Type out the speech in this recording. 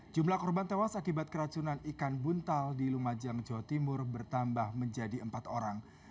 jumlah korban tewas akibat keracunan ikan buntal di lumajang jawa timur bertambah menjadi empat orang